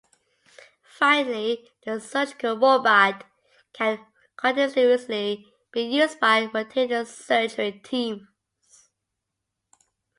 Finally, the surgical robot can continuously be used by rotating surgery teams.